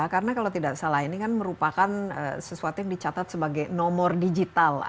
karena kalau tidak salah ini kan merupakan sesuatu yang dicatat sebagai nomor digital